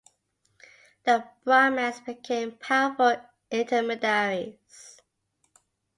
The Brahmans became powerful intermediaries.